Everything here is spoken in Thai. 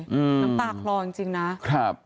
น้ำตาคลอจริงนะ